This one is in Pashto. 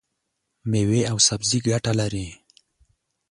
مېوې او سبزي ګټه لري.